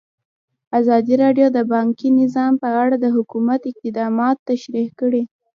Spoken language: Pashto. ازادي راډیو د بانکي نظام په اړه د حکومت اقدامات تشریح کړي.